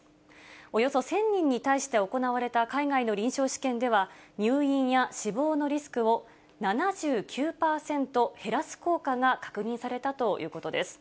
およそ１０００人に対して行われた海外の臨床試験では、入院や死亡のリスクを７９％減らす効果が確認されたということです。